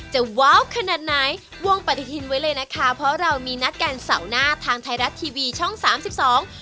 ว้าวขนาดไหนวงปฏิทินไว้เลยนะคะเพราะเรามีนัดกันเสาร์หน้าทางไทยรัฐทีวีช่องสามสิบสอง